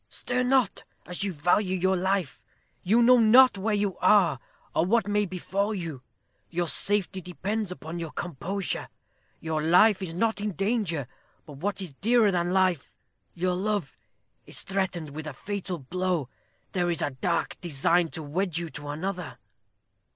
"Stir not, as you value your life; you know not where you are, or what may befall you. Your safety depends upon your composure. Your life is not in danger; but what is dearer than life, your love, is threatened with a fatal blow. There is a dark design to wed you to another."